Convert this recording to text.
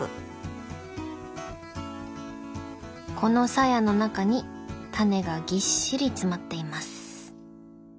このサヤの中にタネがぎっしり詰まっています。